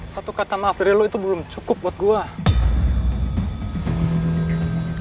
satu kata maaf dari lo itu belum cukup buat gue